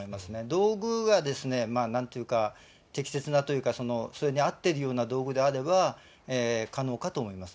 道具が、なんていうか、適切なというか、それに合ってるような道具であれば可能かと思います。